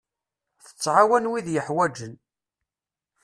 Tettɛawan wid yeḥwaǧen.